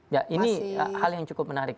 ya ini hal yang cukup menarik